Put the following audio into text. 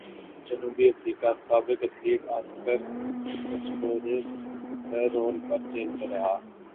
جنوبی افریقہ سابق ایتھلیٹ اسکر پسٹوریس پیرول پر جیل سے رہا